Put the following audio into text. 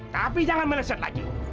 tapi jangan melecet lagi